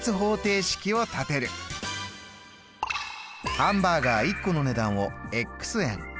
ハンバーガー１個の値段を円。